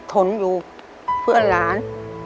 ทนอยู่เพื่อนหลาน